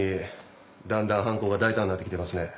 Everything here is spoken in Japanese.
だんだん犯行が大胆になってきてますね。